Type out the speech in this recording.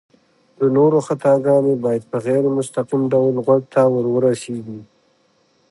د نورو خطاګانې بايد په غير مستقيم ډول غوږ ته ورورسيږي